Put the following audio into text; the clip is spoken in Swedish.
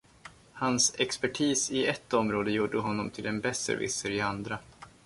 Hans expertis i ett område gjorde honom till en besserwisser i andra